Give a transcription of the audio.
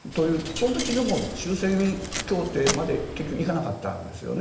その時も終戦協定まで結局行かなかったんですよね。